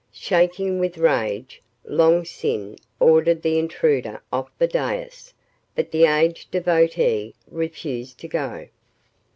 Shaking with rage, Long Sin ordered the intruder off the dais. But the aged devotee refused to go.